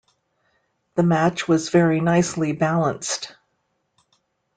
The match was very nicely balanced.